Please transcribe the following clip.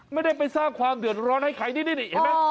ไม่ได้ไปสร้างความเดือดร้อนให้ใครนี่เห็นไหม